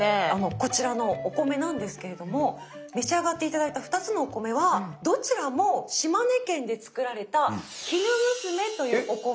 こちらのお米なんですけれども召し上がって頂いた二つのお米はどちらも島根県で作られたきぬむすめというお米。